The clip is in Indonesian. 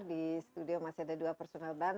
di studio masih ada dua personal ban